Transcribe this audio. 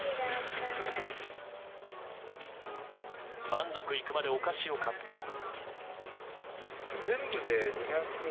満足いくまでお菓子を買っても。